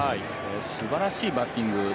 素晴らしいバッティング。